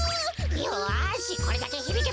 よしこれだけひびけば。